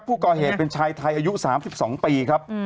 ผู้ก่อเหตุเป็นชายไทยอายุ๓๒ปีครับ